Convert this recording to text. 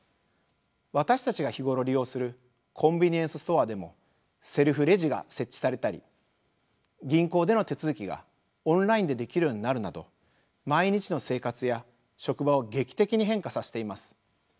私たちが日頃利用するコンビニエンスストアでもセルフレジが設置されたり銀行での手続きがオンラインでできるようになるなど毎日の生活や職場を劇的に変化させています。